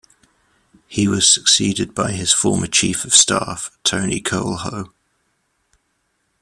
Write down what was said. He was succeeded by his former chief of staff, Tony Coelho.